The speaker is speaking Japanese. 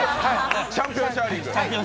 チャンピオンシャーリング。